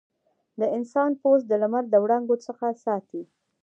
د انسان پوست د لمر د وړانګو څخه ساتي.